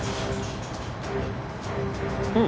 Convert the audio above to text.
うん。